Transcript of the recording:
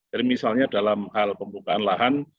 misalnya dalam hal pembukaan lahan